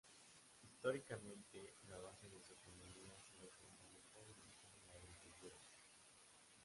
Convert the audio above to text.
Históricamente, la base de su economía ha sido fundamentalmente la agricultura.